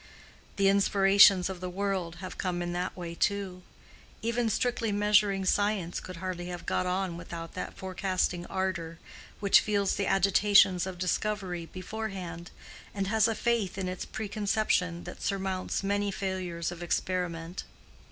The inspirations of the world have come in that way too: even strictly measuring science could hardly have got on without that forecasting ardor which feels the agitations of discovery beforehand, and has a faith in its preconception that surmounts many failures of experiment.